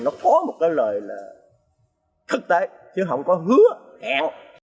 nó có một cái lời là thực tế chứ không có hứa hẹn